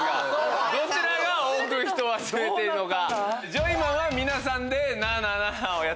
どちらが多く人を集めているのか。